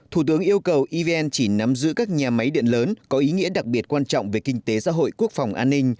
thủ tướng yêu cầu evn chỉ nắm giữ các nhà máy điện lớn có ý nghĩa đặc biệt quan trọng về kinh tế xã hội quốc phòng an ninh